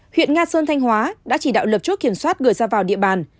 huyện nga sơn thanh hóa đã chỉ đạo lập chốt kiểm soát người ra vào địa bàn